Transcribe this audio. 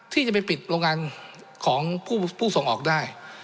ที่จะไปปิดโรงงานของผู้ส่งออกได้